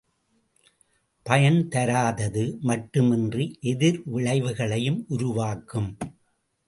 பயன்தராதது மட்டுமின்றி எதிர் விளைவுகளையும் உருவாக்கும்.